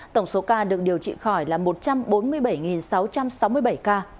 tổng số ca được điều trị khỏi là một trăm bốn mươi bảy sáu trăm sáu mươi bảy ca